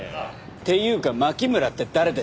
っていうか牧村って誰ですか？